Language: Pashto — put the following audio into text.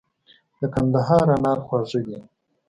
د کندهار انار خواږه دي.